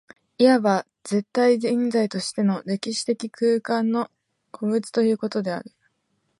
いわば絶対現在としての歴史的空間の個物ということである。